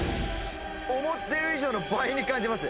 思ってる以上の倍に感じます。